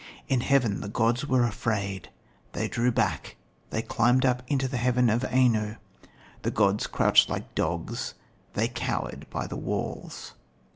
In heaven the gods were afraid ... They drew back, they climbed up into the heaven of Anu. The gods crouched like dogs, they cowered by the walls."